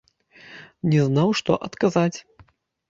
Не знаў, што адказаць.